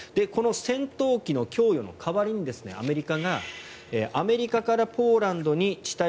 この戦闘機の供与の代わりにアメリカがアメリカからポーランドに地